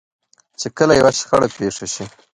چې کله يوه شخړه پېښه شي.